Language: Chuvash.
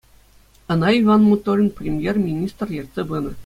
Ӑна Ивӑн Моторин премьер-министр ертсе пынӑ.